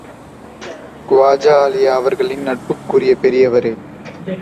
குவாஜா அலி அவர்களின் நட்புக்குரிய பெரியவரே!